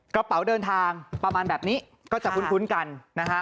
กระเป๋าเดินทางประมาณแบบนี้ก็จะคุ้นกันนะฮะ